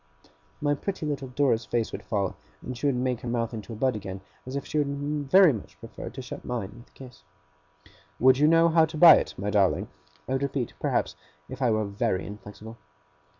My pretty little Dora's face would fall, and she would make her mouth into a bud again, as if she would very much prefer to shut mine with a kiss. 'Would you know how to buy it, my darling?' I would repeat, perhaps, if I were very inflexible.